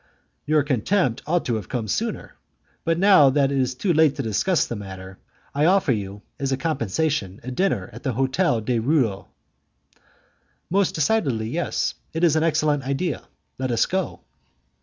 "Your contempt ought to have come sooner. But, now that is too late to discuss the matter, I offer you, as a compensation, a dinner at the Hotel du Roule." "Most decidedly yes; it is an excellent idea. Let us go."